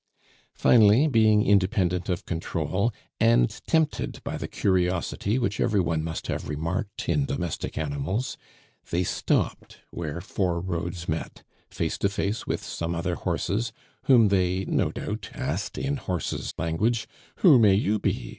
Finally, being independent of control, and tempted by the curiosity which every one must have remarked in domestic animals, they stopped where four roads met, face to face with some other horses, whom they, no doubt, asked in horses' language: "Who may you be?